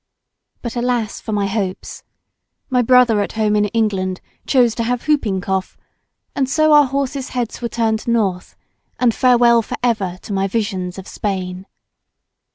But alas for my hopes! My brother at home in England chose to have whooping cough, and so our horses' heads were turned north, and farewell for ever to my visions of Spain.